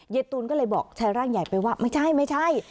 ยายตุ๋นก็เลยบอกใช้ร่างใหญ่ไปว่าไม่ใช่